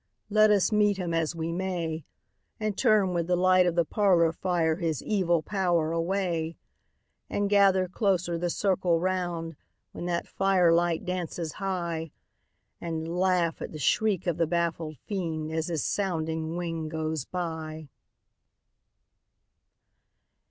Let us meet him as we may, And turn with the light of the parlor fire his evil power away; And gather closer the circle round, when that fire light dances high, And laugh at the shriek of the baffled Fiend as his sounding wing goes by!